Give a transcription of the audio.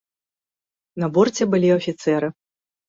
На борце былі афіцэры.